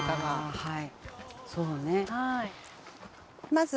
はい。